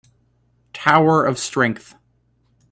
Tower of strength